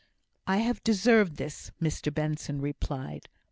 "I have deserved this," Mr Benson replied.